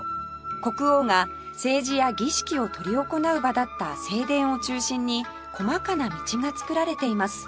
国王が政治や儀式を執り行う場だった正殿を中心に細かな道が造られています